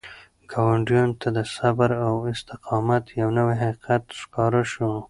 ګاونډیانو ته د صبر او استقامت یو نوی حقیقت ښکاره شو.